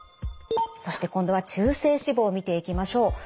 そして今度は中性脂肪見ていきましょう。